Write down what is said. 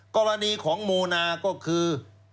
กรณีของโมนาก็คือ